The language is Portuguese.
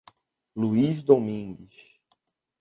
Luís Domingues